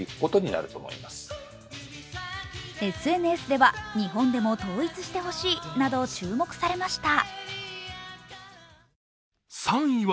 ＳＮＳでは、日本でも統一してほしいなど注目されました。